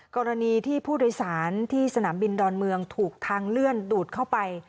กรณีที่ผู้โดยสารที่สนามบินดอนเมืองถูกทางเลื่อนดูดเข้าไป